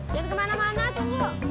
jangan kemana mana tunggu